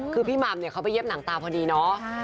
คือพี่หม่ำเขาไปเย็บหนังตาพอดีเนาะ